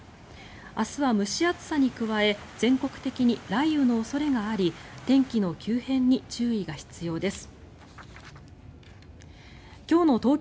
明日は蒸し暑さに加え全国的に雷雨の恐れがあり天気の急変に注意が必要です。